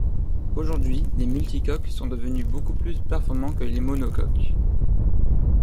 Aujourd'hui, les multicoques sont devenus beaucoup plus performants que les monocoques.